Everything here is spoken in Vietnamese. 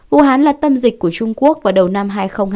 vũ hán là tâm dịch của trung quốc vào đầu năm hai nghìn hai mươi